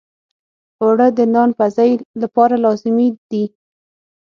اوړه د نان پزی لپاره لازمي دي